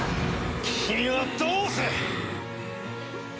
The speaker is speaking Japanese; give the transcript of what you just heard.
君はどうする！？